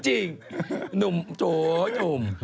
หนุ่มโถหนุ่ม